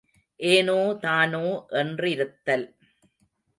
ஏனோ தானோ என்றிருத்தல்.